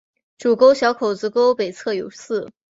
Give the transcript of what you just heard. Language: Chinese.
主沟小口子沟北侧有寺。